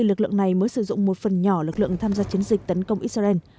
lực lượng này mới sử dụng một phần nhỏ lực lượng tham gia chiến dịch tấn công israel